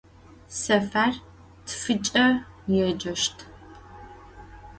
Sefer tfıç'e yêceşt.